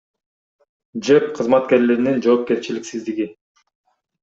ЖЭБ кызматкерлеринин жоопкерчиликсиздиги.